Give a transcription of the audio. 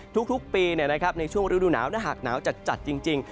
ทุกปีในช่วงฤดูหนาวถ้าหากหนาวจัดจริง